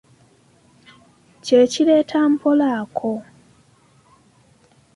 Kye kireeta mpolaako.